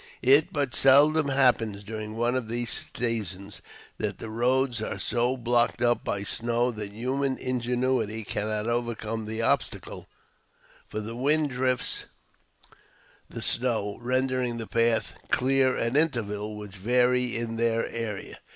It but seldom happens, during one of these seasons, that the roads are so blocked up by snow that human ingenuity cannot overcome the obstacle; for the wind drifts the snow, rendering the path clear at intervals which vary in their area.